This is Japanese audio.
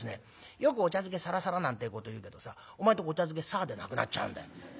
「よくお茶漬けサラサラなんてえこと言うけどさお前んとこお茶漬けサァでなくなっちゃうんだよ。